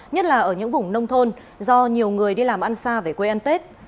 nhất là ở những vùng nông thôn do nhiều người đi làm ăn xa về quê ăn tết